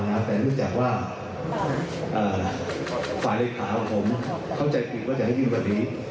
นะครับแต่รู้จักว่าเอ่อฝ่ายในขาวผมเขาใจผิดว่าจะให้ยื่นแบบนี้